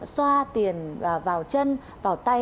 xoa tiền vào chân vào tay